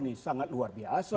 ini sangat luar biasa